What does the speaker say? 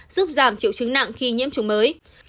giúp giảm triệu chứng nặng khi nhiễm trùng mới